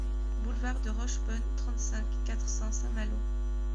Boulevard de Rochebonne, trente-cinq, quatre cents Saint-Malo